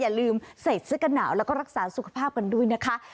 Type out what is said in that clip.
อย่าลืมใส่เสื้อกันหนาวแล้วก็รักษาสุขภาพกันด้วยนะคะ